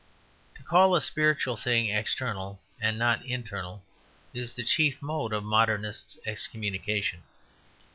To call a spiritual thing external and not internal is the chief mode of modernist excommunication.